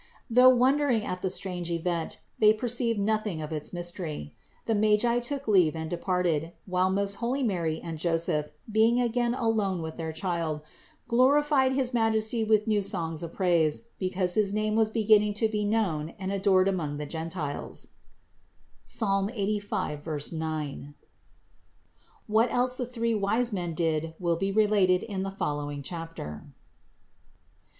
Though wondering at the strange event, they perceived nothing of its mystery. The Magi took leave and de parted, while most holy Mary and Joseph, being again alone with their Child, glorified his Majesty with new songs of praise, because his name was beginning to be known and adored among the Gentiles (Ps. 85, 9). What else the three wise men did will be related in the following chapter.